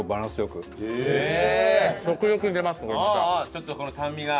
ちょっとこの酸味が。